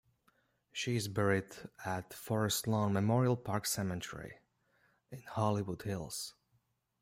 She is buried at Forest Lawn Memorial Park Cemetery in Hollywood Hills.